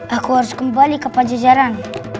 aku harus kembali ke pajajaran